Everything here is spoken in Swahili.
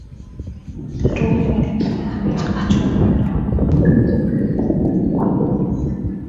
Karume alikuwa ameanza kuchoka nao huo Muungano